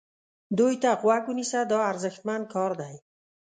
دوی ته غوږ ونیسه دا ارزښتمن کار دی.